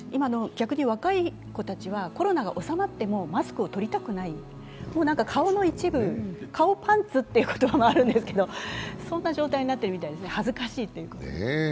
逆に今の若い子たちは、コロナが収まってもマスクを取りたくない、顔の一部、顔パンツって言葉もあるんですけど、そんな状態になってるみたいですね、恥ずかしいって。